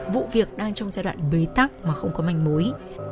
vụ việc đang trong giai đoạn bế tắc mà không có manh mối